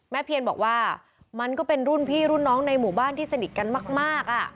เพียนบอกว่ามันก็เป็นรุ่นพี่รุ่นน้องในหมู่บ้านที่สนิทกันมาก